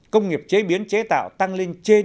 công nghiệp chế biến chế tạo tăng lên trên